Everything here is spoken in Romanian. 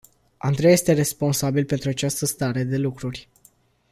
Andrei este responsabil pentru această stare de lucruri.